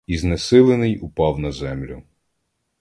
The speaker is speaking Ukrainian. І знесилений упав на землю.